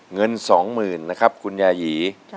เงิน๒๐๐๐นะครับคุณยายี